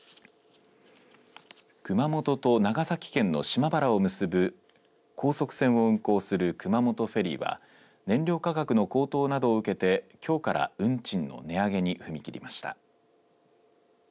熊本と長崎県の島原を結ぶ高速船を運航する熊本フェリーは燃料価格の高騰などを受けてきょうから運賃の値上げに踏み切りました。